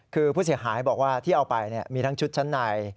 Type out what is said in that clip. คือผู้เสียหายบอกว่าที่เอาไปมีทั้งชุดชั้นใน